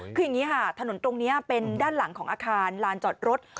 คืออย่างนี้ค่ะถนนตรงนี้เป็นด้านหลังของอาคารลานจอดรถ